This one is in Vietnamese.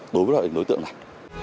đối với loại hình đối tượng này